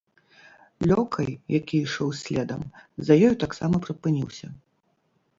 Лёкай, які ішоў следам, за ёю таксама прыпыніўся.